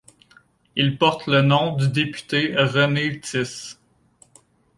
Il porte le nom du député René Tys.